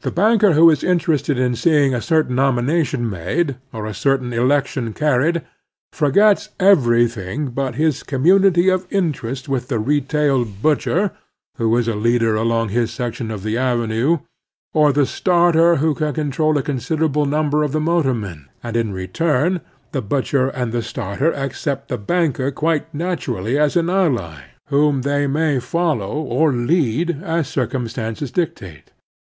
The banker who is in terested in seeing a certain nomination made or a certain election carried forgets everything but his community of fnterest \^th the retail butcher wliO"i?*a"teader along his section of the avenue, or the starter who can control a considerable number of the motormen ; and in return the butcher and the starter accept the banker quite naturally as an ally whom they may follow or lead, as circum stances dictate.